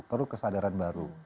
perlu kesadaran baru